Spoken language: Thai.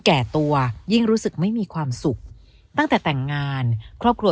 แก่ตัวยิ่งรู้สึกไม่มีความสุขตั้งแต่แต่งงานครอบครัว